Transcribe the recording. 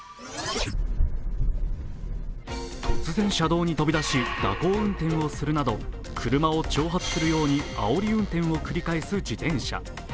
突然、車道に飛び出し蛇行運転をするなど車を挑発するようにあおり運転を繰り返す自転車。